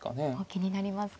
気になりますか。